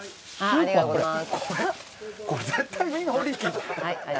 ありがとうございます。